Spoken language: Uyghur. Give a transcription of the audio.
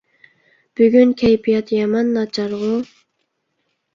بۈگۈن كەيپىيات يامان ناچارغۇ.